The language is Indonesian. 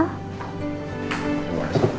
silahkan duduk pak al